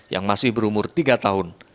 yang masih berumur tiga tahun